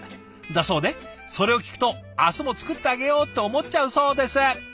だそうでそれを聞くと明日も作ってあげようって思っちゃうそうです。